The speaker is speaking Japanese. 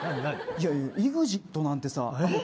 いやＥＸＩＴなんてさえっ？